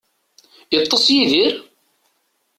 Itess Yidir?